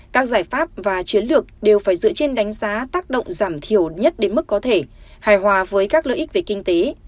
các giải pháp và chiến lược đều phải dựa trên đánh giá tác động giảm thiểu nhất đến mức có thể hài hòa với các lợi ích về kinh tế